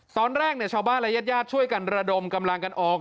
ตอนแรกชาวบ้านและญาติญาติช่วยกันระดมกำลังกันออก